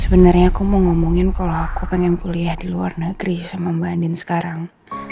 sebenarnya aku mau ngomongin kalau aku pengen kuliah di luar negeri sama mbak andin sekarang